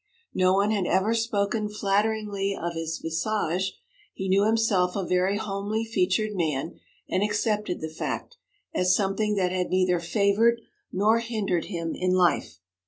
No one had ever spoken flatteringly of his visage; he knew himself a very homely featured man, and accepted the fact, as something that had neither favoured nor hindered him in life.